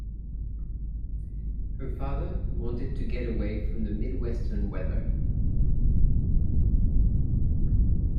Her father wanted to get away from the Midwestern weather.